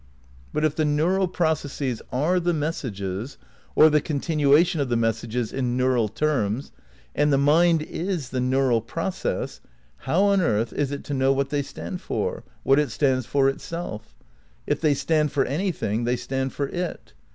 But if the neural processes are the messages, or the continuation of the messages in neural terms, and the mind is the neural process, how on earth is it to know what they stand for, what it stands for itself? If they stand for anything they stand for it.